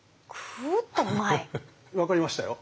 分かりましたよ！